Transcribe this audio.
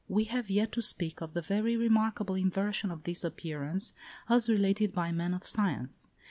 We have yet to speak of the very remarkable inversion of this appearance, as related by men of science.